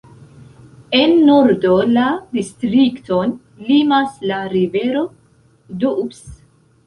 En nordo la distrikton limas la rivero Doubs.